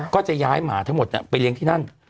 ก็จะย้ายหมาทั้งหมดไปเลี้ยงที่นั่น